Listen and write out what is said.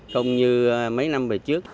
không như mấy năm trước